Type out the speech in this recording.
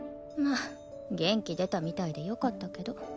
まっ元気出たみたいでよかったけど。